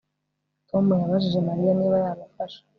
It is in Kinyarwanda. Tom yabajije Mariya niba yamufasha